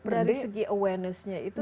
dari segi awarenessnya itu